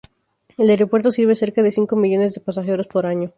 El aeropuerto sirve cerca de cinco millones de pasajeros por año.